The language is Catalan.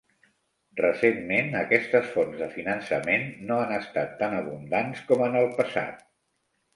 Recentment, aquestes fons de finançament no han estat tan abundants com en el passat.